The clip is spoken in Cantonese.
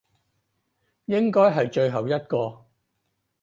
應該係最後一個